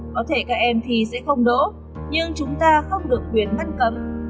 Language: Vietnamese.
có thể các em thi sẽ không đỗ nhưng chúng ta không được quyền ngăn cấm